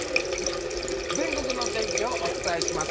◆全国の天気をお伝えします。